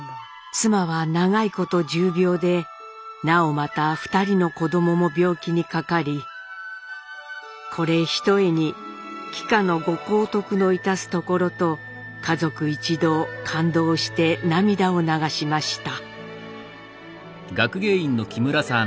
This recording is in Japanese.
「妻は長いこと重病でなおまた２人の子どもも病気にかかりこれひとえに貴下のご高徳の致すところと家族一同感動して涙を流しました」。